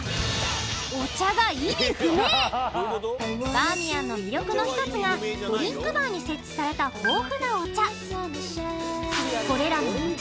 バーミヤンの魅力の一つがドリンクバーに設置された豊富なお茶これらのお茶